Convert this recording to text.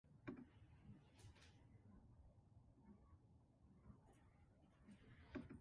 The opposition Conservatives, led by John A. Mathieson, gained five seats in this election.